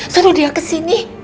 suruh dia kesini